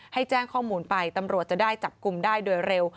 ให้แจ้งข้อมูลไปตำรวจจะได้จับกลุ่มได้โดยเร็ว